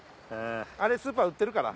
れスーパー売ってるから。